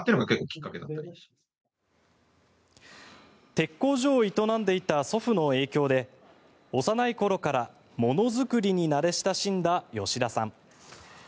鉄工所を営んでいた祖父の影響で幼い頃から物作りに慣れ親しんだ吉田さん。